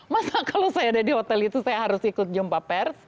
masa kalau saya ada di hotel itu saya harus ikut jumpa pers